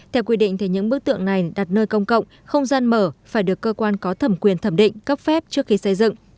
theo quy định những bức tượng này đặt nơi công cộng không gian mở phải được cơ quan có thẩm quyền thẩm định cấp phép trước khi xây dựng